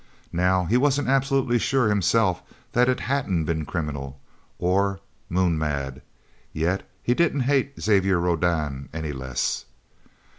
Now he wasn't absolutely sure, himself, that it hadn't been criminal or Moonmad. Yet he didn't hate Xavier Rodan any less.